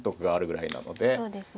そうですね。